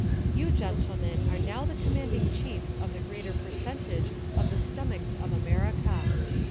You, gentlemen, are now the commanding chiefs of the greater percentage of the stomachs of Am.erica.